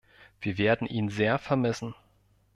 Wir werden ihn sehr vermissen.